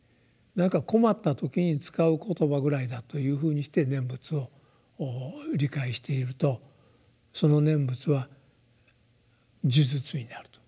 「何か困った時に使う言葉ぐらいだ」というふうにして「念仏」を理解しているとその「念仏」は「呪術」になると。